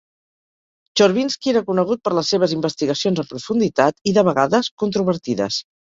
Chorvinsky era conegut per les seves investigacions en profunditat i, de vegades, controvertides.